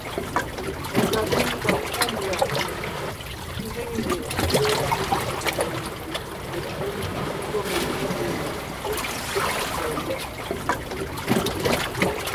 Ɔ̀ ka píŋ ta kúu mbʉ̀a nzẅíŋ ngye ɔ̀ ge laʼte cʉ̀ʼnzèm gù metÿǒ pɔ́ megǐ mie é pú síi tsɛ̀ɛ mbim.s.